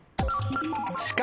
「しか」。